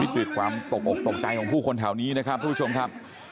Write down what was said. ตุดความตกตกใจของผู้ชมครับทุกที่ชมครับ